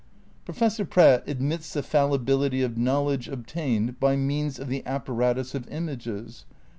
Professor Pratt admits the fallibility of knowledge obtained by means of the apparatus of images.